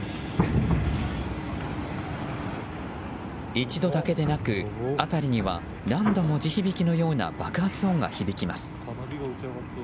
一度だけでなく、辺りには何度も地響きのような爆発音が響きます。